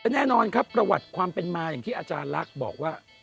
แน่นอนครับประวัติความเป็นมาอย่างที่อาจารย์ลักษณ์บอกว่า